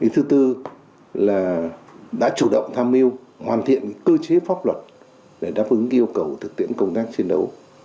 thứ tư là đã chủ động tham mưu hoàn thiện cơ chế pháp luật để đáp ứng yêu cầu thực tiễn công tác chiến đấu